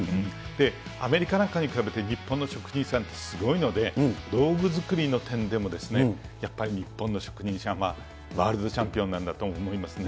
アメリカなんかに比べて、日本の職人さんってすごいので、道具作りの点でもやっぱり日本の職人さんはワールドチャンピオンだと思いますね。